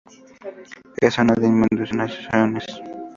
Es zona de inundaciones.